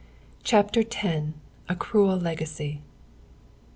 CHAPTER X. A CRUEL LEGACY.